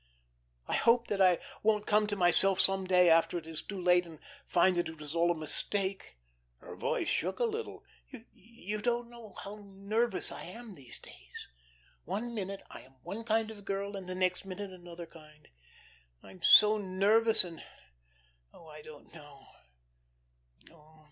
I hope that I won't come to myself some day, after it is too late, and find that it was all a mistake." Her voice shook a little. "You don't know how nervous I am these days. One minute I am one kind of girl, and the next another kind. I'm so nervous and oh, I don't know.